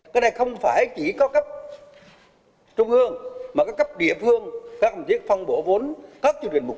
cái này không phải chỉ có cấp trung ương mà có cấp địa phương các công ty phân bổ vốn các chương trình mục